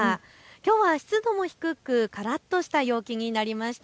きょうは湿度も低くからっとした陽気になりました。